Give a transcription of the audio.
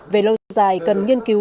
về lâu dài cần nghiên cứu